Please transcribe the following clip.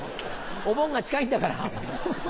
お盆が近いんだから。